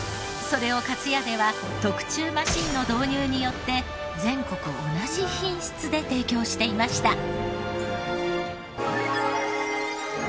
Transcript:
それをかつやでは特注マシーンの導入によって全国同じ品質で提供していました。